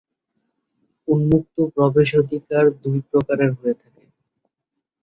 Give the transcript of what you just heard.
উন্মুক্ত প্রবেশাধিকার দুই প্রকারের হয়ে থাকে।